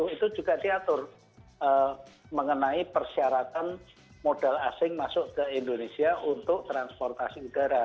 itu juga diatur mengenai persyaratan modal asing masuk ke indonesia untuk transportasi udara